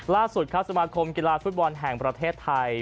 ล่าสุดครับสมาคมกีฬาฟุตบอลแห่งประเทศไทย